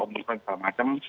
omnisipan segala macam